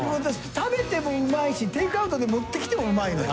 食べてもうまいしテークアウトで持ってきてもうまいのよ。